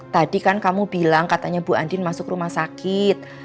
tadi kan kamu bilang katanya bu andin masuk rumah sakit